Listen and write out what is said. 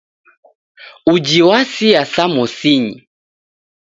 Uji wasia samosinyi.